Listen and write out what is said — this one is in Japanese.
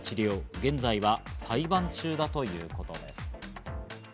現在は裁判中だということです。